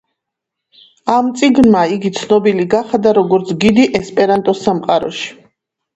ამ წიგნმა იგი ცნობილი გახადა როგორც გიდი ესპერანტოს სამყაროში.